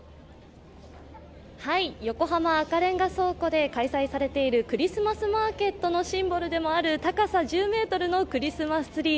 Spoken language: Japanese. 横浜赤レンガ倉庫で開催されているクリスマスマーケットのシンボルでもある高さ１０ｍのクリスマスツリー。